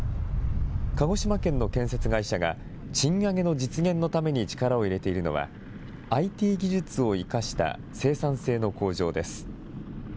鹿児島県の建設会社が、賃上げの実現のために力を入れているのは、ＩＴ技術を生かした生産性の向上です。